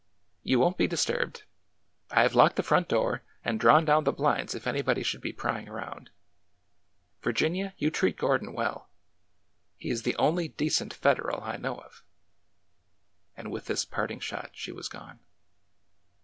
You won't be dis turbed. I have locked the front door, and drawn down the blinds if anybody should be prying around. Virginia, you treat Gordon Vv^ell. He is the only decent Federal I know of." And with this parting shot she was gone.